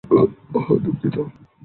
ওহ্, দুঃখিত।